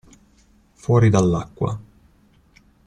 Fuori dall'acqua.